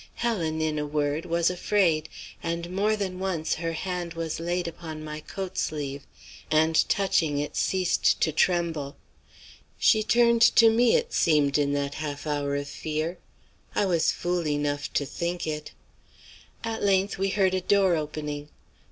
Helen, in a word, was afraid, and more than once her hand was laid upon my coat sleeve, and, touching it, ceased to tremble. She turned to me, it seemed, in that half hour of fear; I was fool enough to think it. "At length we heard a door opening.